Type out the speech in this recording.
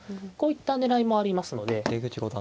こういった狙いもありますので。